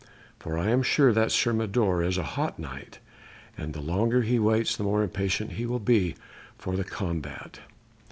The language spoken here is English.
For I am sure that Sir Mador is a hot Knight, and the longer he waits the more impatient he will be for the combat."